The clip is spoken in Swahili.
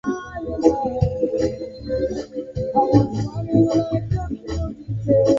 ni ujumbe kwa rais barack obama kuwa raia wa marekani